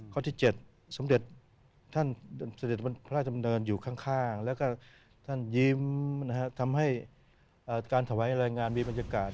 ข้อที่๗สำเด็จพระราชนำเนินอยู่ข้างและยิ้มทำให้การถวายแรงงานมีบรรยากาศ